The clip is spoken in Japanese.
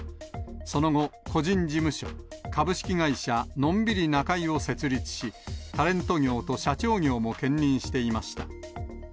その後、個人事務所、株式会社のんびりなかいを設立し、タレント業と社長業も兼任していました。